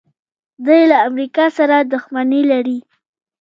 دوی له امریکا سره دښمني لري.